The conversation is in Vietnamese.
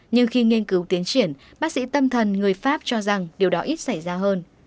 nhưng khi nghiên cứu tiến triển bác sĩ tâm thần người pháp cho rằng điều đó ít xảy ra hơn